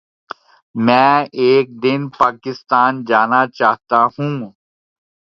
میں ایک دن پاکستان جانا چاہتاہوں